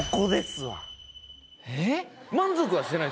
えっ？